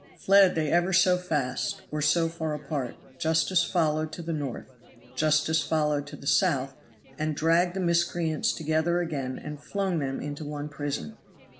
Fled they ever so fast, or so far apart, justice followed to the north, justice followed to the south, and dragged the miscreants together again and flung them into one prison.